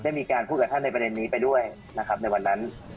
มีการพูดกับท่านในประเด็นนี้ไปด้วยนะครับในวันนั้น